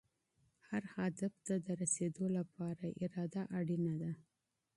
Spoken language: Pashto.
هر هدف ته د رسېدو لپاره اراده اړینه ده.